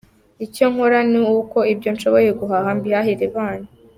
Icyo nkora ni uko ibyo nshoboye guhaha mbiharira abana.